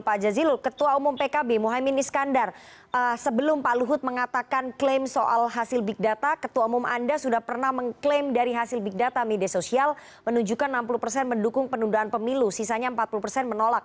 pak jazilul ketua umum pkb mohaimin iskandar sebelum pak luhut mengatakan klaim soal hasil big data ketua umum anda sudah pernah mengklaim dari hasil big data media sosial menunjukkan enam puluh persen mendukung penundaan pemilu sisanya empat puluh persen menolak